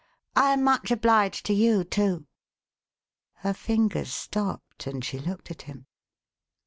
I am much obliged to you, too." Her fingers stopped, and she looked at him.